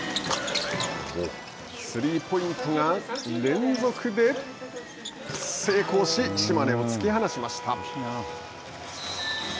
スリーポイントが連続で成功し島根を突き放しました。